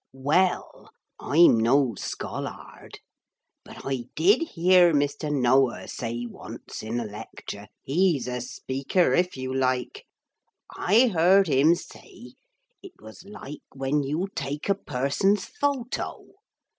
'Well, I'm no scholard. But I did hear Mr. Noah say once in a lecture he's a speaker, if you like I heard him say it was like when you take a person's photo.